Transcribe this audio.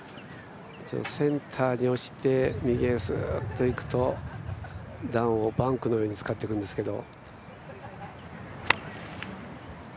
センターに落ちて右へすっと行くと段をバンクのように使ってくんですけど。